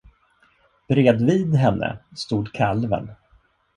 Bredvid henne stod kalven.